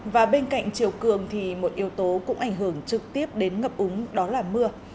và bên cạnh chiều cường thì một yếu tố cũng ảnh hưởng trực tiếp đến ngập úng đó là mưa